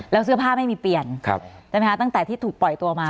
แล้วเสื้อผ้าไม่มีเปลี่ยนใช่ไหมคะตั้งแต่ที่ถูกปล่อยตัวมา